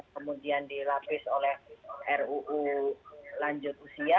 kemudian dilapis oleh ruu lanjut usia